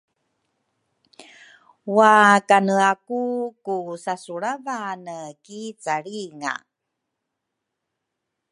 wakaneaku ku sasulavane ki calringa.